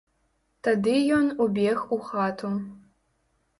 Тады ён убег у хату.